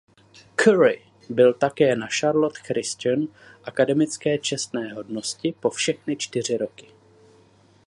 Curry byl také na Charlotte Christian akademické čestné hodnosti po všechny čtyři roky.